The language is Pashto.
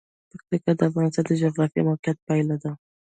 پکتیکا د افغانستان د جغرافیایي موقیعت پایله ده.